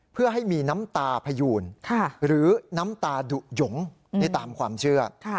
เพื่อให้มีน้ำตาพยูนหรือน้ำตาดุหยงนี่ตามความเชื่อ